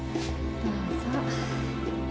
どうぞ。